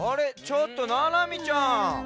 ちょっとななみちゃん。